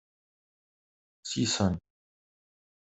Sisen.